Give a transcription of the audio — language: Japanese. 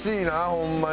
ホンマに。